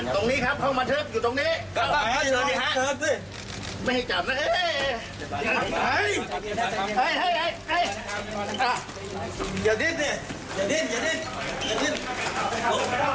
ที่นี่ยังไม่ได้เอกชื่อภูมิ